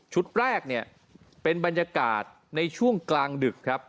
ชุดแรกเป็นบรรยากาศในช่วงกลางดึกครับ